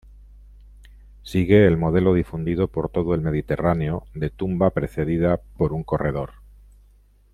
Sigue el modelo difundido por todo el Mediterráneo de tumba precedida por un corredor.